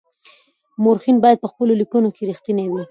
مورخین باید په خپلو لیکنو کي رښتیني وي.